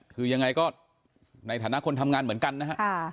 คือยังไงก็ในฐานะคนทำงานเหมือนกันนะฮะ